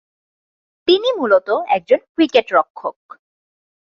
তিনি মূলত একজন উইকেট রক্ষক।